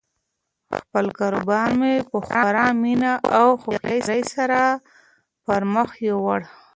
خپل کاروبار مې په خورا مینه او هوښیاري سره پرمخ یووړ.